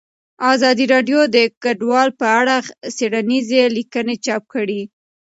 ازادي راډیو د کډوال په اړه څېړنیزې لیکنې چاپ کړي.